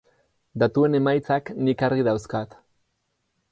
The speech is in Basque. Datuen emaitzak nik argi dauzkat.